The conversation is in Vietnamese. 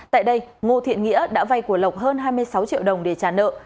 tại đây ngô thiện nghĩa đã vay của lộc hơn hai mươi sáu triệu đồng để trả nợ